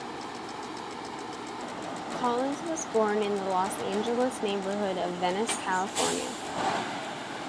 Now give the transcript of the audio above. Collins was born in the Los Angeles neighborhood of Venice, California.